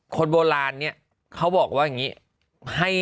คนโบราณเนี่ยเขาบอกว่าอย่างนี้